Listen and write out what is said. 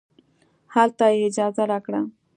هلته یې اجازه راکړه.